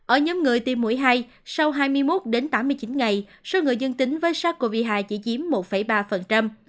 ở nhóm người tiêm mùi hai sau hai mươi một đến tám mươi chín ngày số người dương tính với sắc covid hai chỉ chiếm một ba